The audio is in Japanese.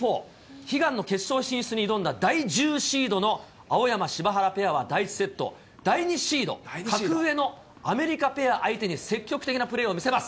悲願の決勝進出に挑んだ第１０シードの青山・柴原ペアは第１セット、第２シード、格上のアメリカペア相手に積極的なプレーを見せます。